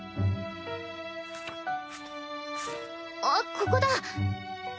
あっここだ。